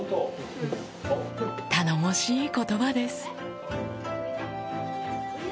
頼もしい言葉です